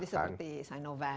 jadi seperti sinovac